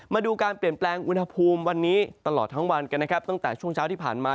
มาดูการเปลี่ยนแปลงอุณหภูมิวันนี้ตลอดทั้งวันกันนะครับตั้งแต่ช่วงเช้าที่ผ่านมา